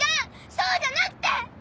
そうじゃなくて！